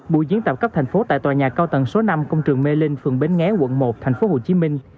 buổi diễn tập cấp thành phố tại tòa nhà cao tầng số năm công trường mê linh phường bến nghé quận một tp hcm